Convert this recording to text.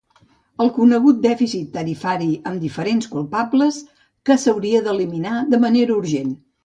El conegut dèficit tarifari, amb diferents culpables, que s'hauria d'eliminar de manera urgent.